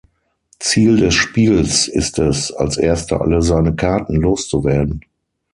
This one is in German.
Ziel des Spiels ist es, als erster alle seine Karten loszuwerden.